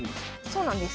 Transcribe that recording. そうなんです。